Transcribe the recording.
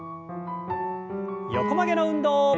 横曲げの運動。